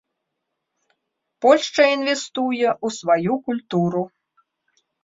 Польшча інвестуе ў сваю культуру.